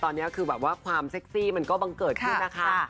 เนื่อยใดตอนนี้ความเซ็กซี่มันก็บังเกิดขึ้นนะคะ